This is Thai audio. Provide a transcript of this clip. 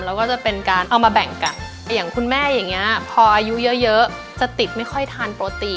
แล้วก็จะเป็นการเอามาแบ่งกัน